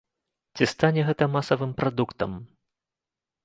Ці стане гэта масавым прадуктам?